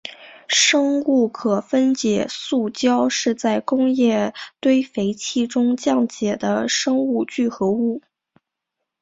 生物可分解塑胶是在工业堆肥器中降解的生物聚合物。